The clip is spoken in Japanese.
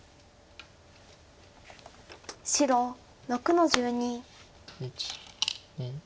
白６の十二。